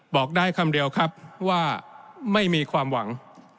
บอกได้คำเดียวครับว่าไม่มีความหวัง